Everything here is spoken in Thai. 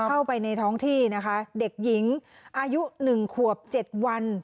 เข้าไปในท้องที่นะคะเด็กหญิงอายุ๑ขวบ๗วัน